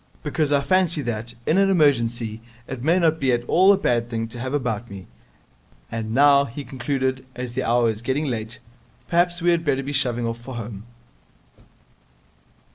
Because I fancy that, in an emergency, it may not be at all a bad thing to have about me. And now,' he concluded, 'as the hour is getting late, perhaps we had better be shoving off for home.'